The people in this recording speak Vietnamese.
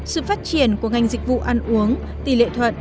sự phát triển của ngành dịch vụ ăn uống tỷ lệ thuận